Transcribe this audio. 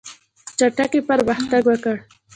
چټکي پرمختګ وکړ.